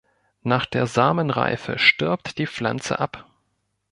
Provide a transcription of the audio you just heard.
Nach der Samenreife stirbt die Pflanze ab.